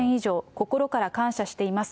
心から感謝しています。